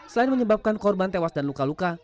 selain menyebabkan korban tewas dan luka luka